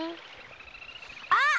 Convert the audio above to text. あ！